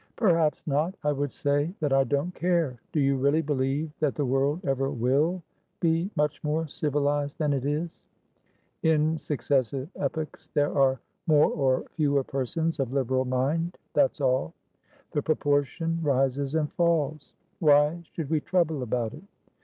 "Perhaps not. I would say that I don't care. Do you really believe that the world ever will be much more civilised than it is? In successive epochs, there are more or fewer persons of liberal mindthat's all; the proportion rises and falls. Why should we trouble about it?